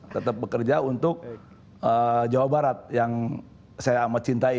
tetap bekerja untuk jawa barat yang saya amat cintai